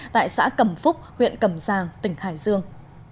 tại xã cầm phúc huyện cầm giang tỉnh hải dương